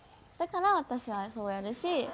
だから私はそうやるし。